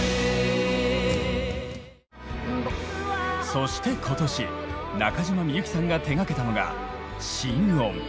そして今年中島みゆきさんが手がけたのが「心音」。